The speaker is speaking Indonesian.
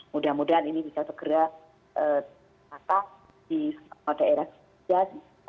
mudah mudahan ini bisa segera matang di daerah kita